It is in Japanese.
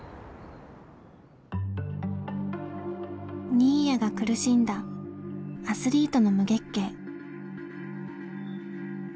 新谷が苦しんだアスリートの無月経。